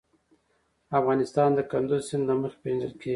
افغانستان د کندز سیند له مخې پېژندل کېږي.